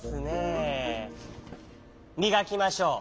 みがきましょう！